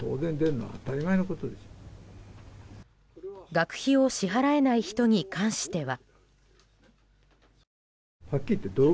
学費を支払えない人に関しては。